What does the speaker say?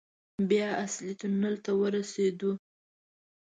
بيا اصلي تونل ته ورسېدو.